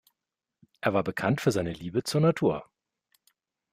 Er war bekannt für seine Liebe zur Natur.